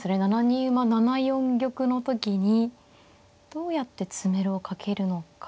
７二馬７四玉の時にどうやって詰めろをかけるのか。